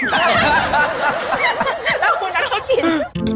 ฮ่าแล้วคุณนัทเข้ากิน